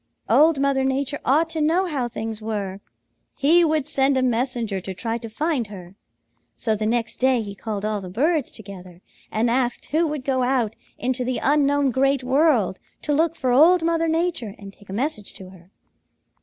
Old Mother Nature ought to know how things were. He would send a messenger to try to find her. So the next day he called all the birds together and asked who would go out into the unknown Great World to look for Old Mother Nature and take a message to her.